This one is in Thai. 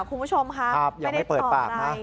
นี่คุณผู้ชมครับไม่ได้ตอบอะไร